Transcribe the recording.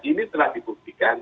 ini telah dibuktikan